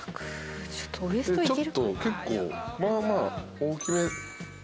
ちょっと結構まあまあ大きめ。